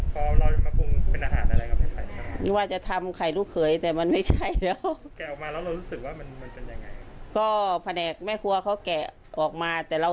อ๋อแต่พอเราจะมาปรุงเป็นอาหารอะไรครับให้ไข่